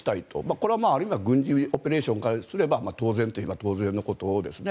これはある意味軍事オペレーションから言えば当然のことですね。